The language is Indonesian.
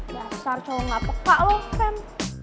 basar cowok gak peka lo sam